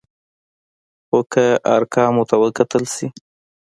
خو که ارقامو ته وکتل شي،